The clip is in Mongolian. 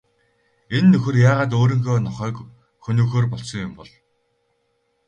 Энэ нөхөр яагаад өөрийнхөө нохойг хөнөөхөөр болсон юм бол?